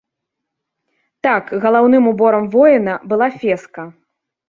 Так, галаўным уборам воіна была феска.